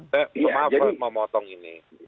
saya memahamkan memotong ini